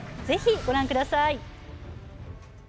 ぜひご覧ください。